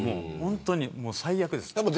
最悪です。